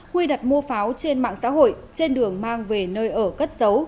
huy đặt mua pháo trên mạng xã hội trên đường mang về nơi ở cất xấu